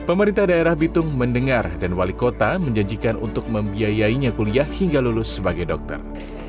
pemerintah daerah bitung mendengar dan wali kota menjanjikan untuk membiayainya kuliah hingga lulus sebagai dokter